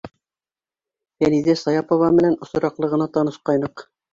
Фәниҙә Саяпова менән осраҡлы ғына танышҡайныҡ.